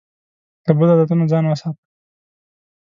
له بدو عادتونو ځان وساته.